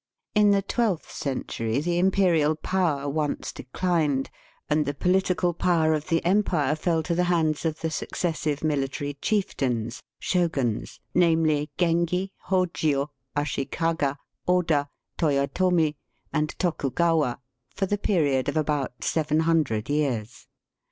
In the twelfth century the imperial power Digitized by VjOOQIC THE NET^ EMPIBE IN THE WEST. 87 once declined, and the political power of the empire fell to the hands of the successive military chieftains (shoguns), namely, G engi, Hojio, Ashikaga, Oda, Toyotomi, and Toku gawa, for the period of about seven hundred years.